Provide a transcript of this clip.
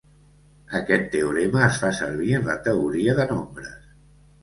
Aquest teorema es fa servir en la teoria de nombres.